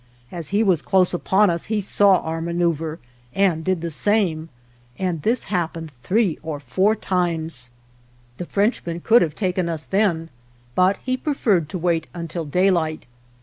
As he was close upon us he saw our manoeuvre and did the same, and this happened three or four times. The Frenchman could have taken us then, but he preferred to wait until daylight.